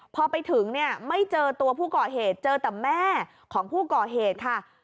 พอไปถึงเนี่ยไม่เจอตัวผู้ก่อเหตุเจอแต่แม่ของผู้ก่อเหตุค่ะ